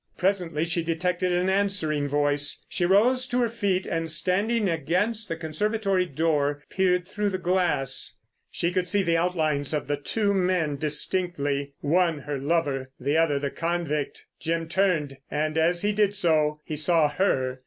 Presently she detected an answering voice. She rose to her feet, and standing against the conservatory door peered through the glass. She could see the outlines of the two men distinctly. One her lover, the other the convict. Jim turned, and as he did so he saw her.